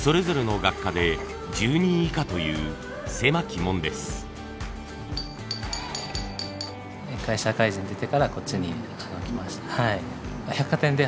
一回社会人出てからこっちに来ました。